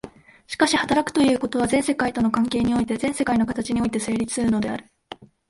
しかし働くということは、全世界との関係において、全世界の形において成立するのである。